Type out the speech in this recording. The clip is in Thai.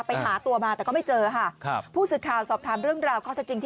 ไปหาตัวมาแต่ก็ไม่เจออะฮะค่ะผู้สิทธิ์ข่าวสอบถัมณ์เรื่องราวก็จริงที่